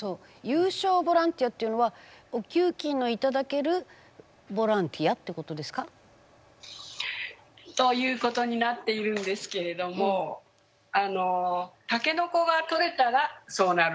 有償ボランティアっていうのはお給金の頂けるボランティアってことですか？ということになっているんですけれどもあのタケノコが採れたらそうなるという。